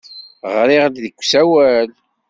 Ɣriɣ-d deg usawal.